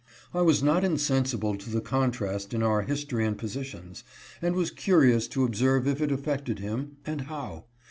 I was not insensible to the contrast in our history and positions, and was curious to observe if it affected him, and how.